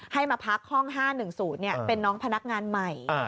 ให้มาพักห้อง๕๑๐เป็นน้องพนักงานใหม่